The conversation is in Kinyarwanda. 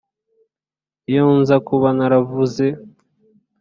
Iyo nza kuba naravuze